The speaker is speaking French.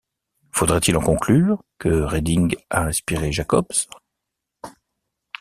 Faudrait-il en conclure que Reding a inspiré Jacobs ?